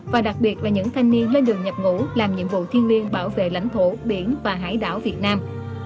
và đặc biệt là những thanh niên lên đường nhập ngũ làm nhiệm vụ thiên liên bảo vệ lãnh thổ biển và hải đảo việt nam